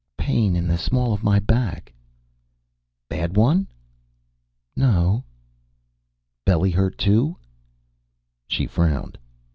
"Pain in the small of my back." "Bad one?" "No...." "Belly hurt, too?" She frowned.